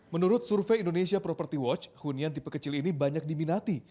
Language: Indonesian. menurut survei indonesia property watch hunian tipe kecil ini banyak diminati